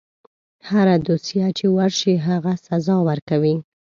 هره دوسیه چې ورشي هغه سزا ورکوي.